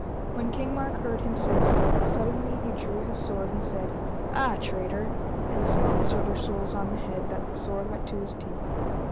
When King Mark heard him say so, suddenly he drew his sword and said: Ah, traitor; and smote Sir Bersules on the head, that the sword went to his teeth.